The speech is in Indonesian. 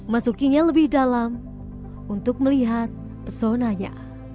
masukinya lebih dalam untuk melihat pesonanya